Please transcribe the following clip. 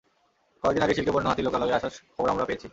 কয়েক দিন আগে শিলকে বন্য হাতির লোকালয়ে আসার খবর আমরা পেয়েছি।